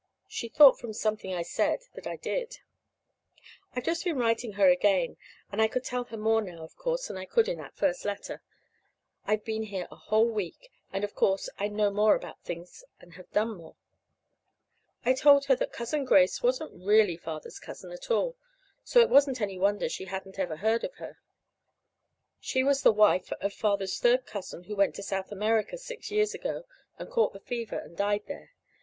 She thought from something I said that I did. I've just been writing her again, and I could tell her more now, of course, than I could in that first letter. I've been here a whole week, and, of course, I know more about things, and have done more. I told her that Cousin Grace wasn't really Father's cousin at all, so it wasn't any wonder she hadn't ever heard of her. She was the wife of Father's third cousin who went to South America six years ago and caught the fever and died there.